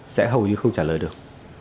sẽ hầu như không trả lời được